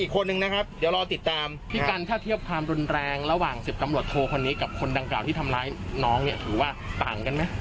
คุณแรงระหว่างสิบกำรวจโทรคนนี้กับคนดังกล่าวที่ทำร้ายน้องถือว่าต่างกันไหม